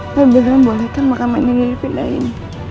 tapi kalian boleh kan makam ini dipindahin